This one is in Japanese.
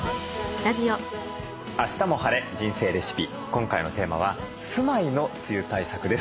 今回のテーマは「住まいの梅雨対策」です。